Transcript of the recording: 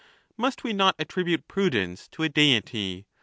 Must we not attrib ute prudence to a Deity?